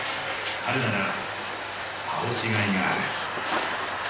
彼なら倒しがいがある。